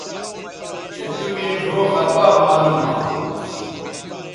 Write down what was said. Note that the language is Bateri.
چہء تُو مے ڙھؤ خپا معلوم ھواں